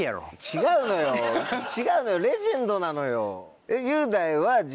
違うのよレジェンドなのよ。